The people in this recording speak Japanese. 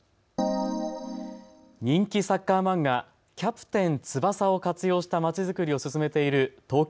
人気サッカー漫画、キャプテン翼を活用したまちづくりを進めている東京